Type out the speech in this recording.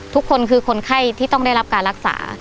ทุกคนคือคนไข้ที่ต้องได้รับการรักษา